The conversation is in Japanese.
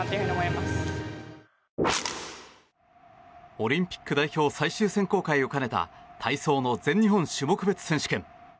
オリンピック代表最終選考会を兼ねた体操の全日本種目別選手権。